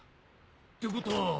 ってことは。